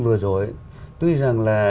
vừa rồi tuy rằng là